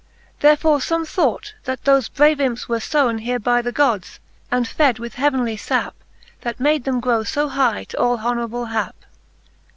Therefore fome thought, that thofe brave imps were fowea Here by the gods, and fed with heavenly (ap, That made them grow fo high t'all honourable hap.